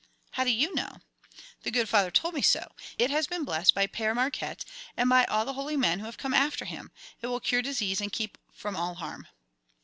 "How do you know?" "The good Father told me so. It has been blessed by Père Marquette and by all the holy men who have come after him. It will cure disease and keep from all harm."